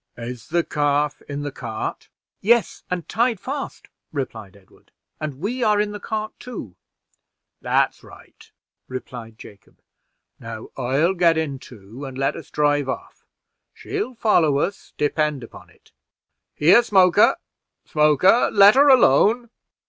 Is the calf in the cart?" "Yes, and tied fast," replied Edward, "and we are in the cart, too." "That's right," replied Jacob. "Now I'll get in too, and let us drive off. She'll follow us, depend upon it. Here, Smoker! Smoker! let her alone."